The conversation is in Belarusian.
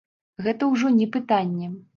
Гэта ўжо не пытанне.